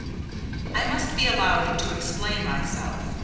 I must be allowed to explain myself.